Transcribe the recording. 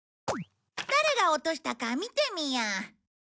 誰が落としたか見てみよう。